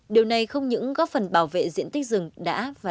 điều này không những góp phần bảo vệ diện tích rừng đã và